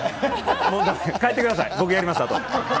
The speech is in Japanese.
もう帰ってください、僕やります、あと。